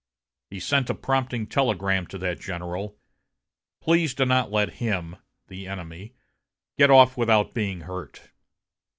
He sent a prompting telegram to that general: "Please do not let him [the enemy] get off without being hurt."